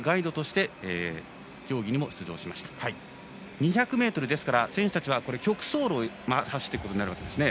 ２００ｍですから選手たちは曲走路を走ることになるわけですね。